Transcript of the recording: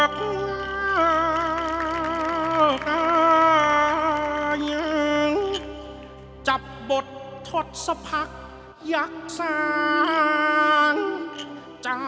เมื่อไม่พอจับบททศพักยักษาไจ้